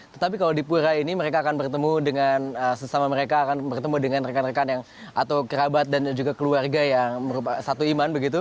tetapi kalau di pura ini mereka akan bertemu dengan sesama mereka akan bertemu dengan rekan rekan yang atau kerabat dan juga keluarga yang merupakan satu iman begitu